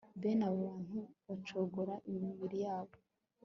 Bene aba bantu bacogoza imibiri yabo